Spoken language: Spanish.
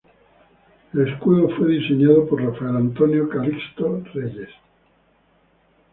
El escudo fue diseñado por Rafael Antonio Calixto Reyes.